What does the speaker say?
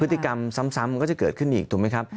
พฤติกรรมซ้ำมันก็จะเกิดขึ้นอีกถูกไหมครับ